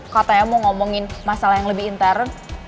katanya mau ngomongin masalah yang lebih intern